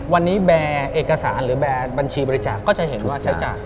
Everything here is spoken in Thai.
วันนี้แบร์เอกสารหรือแบร์บัญชีบริจาคก็จะเห็นว่าใช้จ่าย